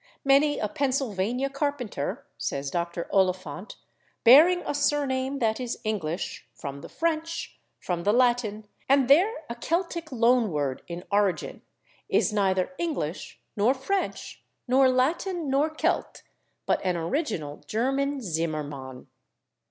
"Many a Pennsylvania /Carpenter/," says Dr. Oliphant, "bearing a surname that is English, from the French, from the Latin, and there a Celtic loan word [Pg277] in origin, is neither English, nor French, nor Latin, nor Celt, but an original German /Zimmermann